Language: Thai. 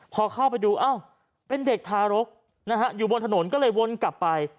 พอเข้าไปดูอ้าวเป็นเด็กทารกนะฮะอยู่บนถนนก็เลยวนกลับไป